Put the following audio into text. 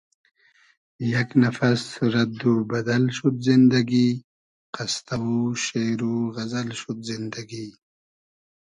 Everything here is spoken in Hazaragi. یئگ نفس رئد و بئدئل شود زیندئگی قستۂ و شېر و غئزئل شود زیندئگی